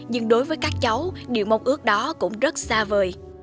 nhưng đối với các cháu điều mong ước đó cũng rất xa vời